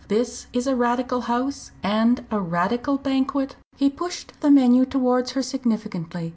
this is a Radical house and a Radical banquet?" He pushed the menu towards her significantly.